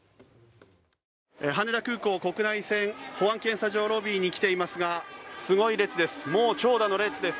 羽田空港国内線保安検査場ロビーに来ていますがすごい列です。